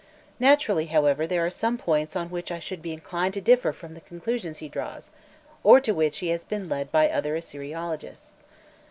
Naturally, however, there are some points on which I should be inclined to differ from the conclusions he draws, or to which he has been led by other Assyriologists.